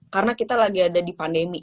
karena kita lagi ada di pandemi